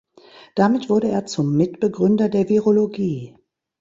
Damit wurde er zum Mitbegründer der Virologie.